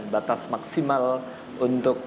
batas maksimal untuk